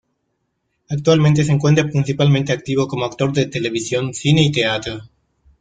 Actualmente se encuentra principalmente activo como actor de televisión, cine y teatro.